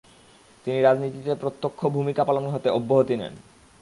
তিনি রাজনীতিতে প্রত্যক্ষ ভূমিকা পালন হতে অব্যহতি নেন।